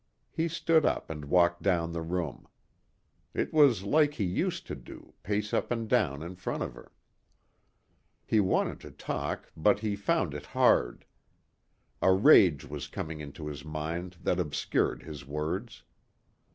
He stood up and walked down the room. It was like he used to do, pace up and down in front of her. He wanted to talk but he found it hard. A rage was coming into his mind that obscured his words.